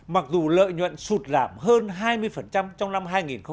mặc dù lợi nhuận sụt làm hơn hai mươi trong năm hai nghìn một mươi năm